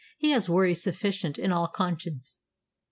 He has worries sufficient, in all conscience."